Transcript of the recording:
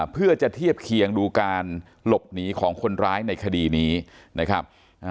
เพื่อจะเทียบเคียงดูการหลบหนีของคนร้ายในคดีนี้นะครับ